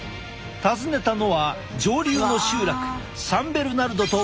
訪ねたのは上流の集落サン・ベルナルドとビサル。